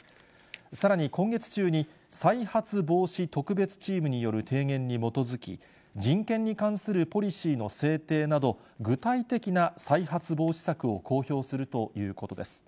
さらに今月中に、再発防止特別チームによる提言に基づき、人権に関するポリシーの制定など、具体的な再発防止策を公表するということです。